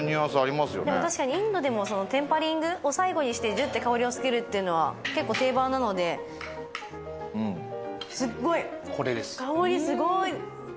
でも確かにインドでもそのテンパリングを最後にしてジュッて香りをつけるっていうのは結構定番なのですっごいこれです